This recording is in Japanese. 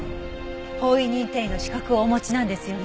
法医認定医の資格をお持ちなんですよね？